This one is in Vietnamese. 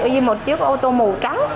như một chiếc ô tô màu trắng